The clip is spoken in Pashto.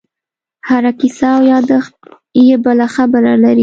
هره کیسه او یادښت یې بله خبره لري.